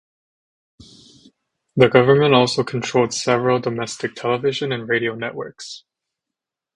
The government also controlled several domestic television and radio networks.